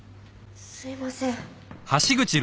すいません。